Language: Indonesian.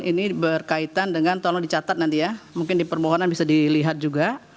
ini berkaitan dengan tolong dicatat nanti ya mungkin di permohonan bisa dilihat juga